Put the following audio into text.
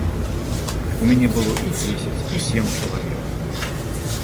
У мяне было і дзесяць і сем чалавек.